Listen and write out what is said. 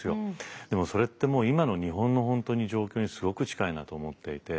でもそれってもう今の日本の状況にすごく近いなと思っていて。